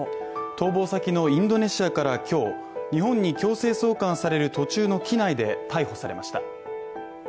逃亡先のインドネシアから今日、日本に強制送還される途中の機内で逮捕されました。